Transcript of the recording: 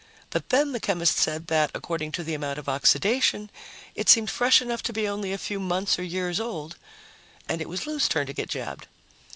But then the chemist said that, according to the amount of oxidation, it seemed fresh enough to be only a few months or years old, and it was Lou's turn to get jabbed.